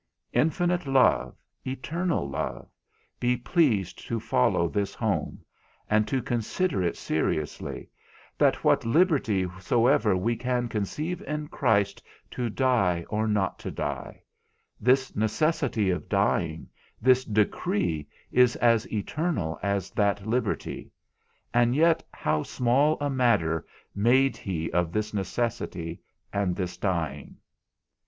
Infinite love, eternal love; be pleased to follow this home, and to consider it seriously, that what liberty soever we can conceive in Christ to die or not to die; this necessity of dying, this decree is as eternal as that liberty; and yet how small a matter made he of this necessity and this dying?